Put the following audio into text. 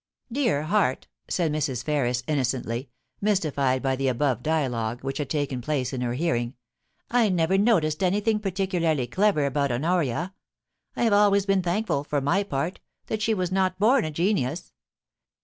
^* Dear heart !' said Mrs. Ferris innocently, mystified by the above dialogue, which had taken place in her hearing, * I never noticed anything particularly clever about Honoria. I have always been thankful, for my part, that she was not bom a genius.